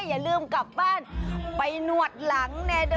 อย่าลืมกลับบ้านไปหนวดหลังแน่เด้อ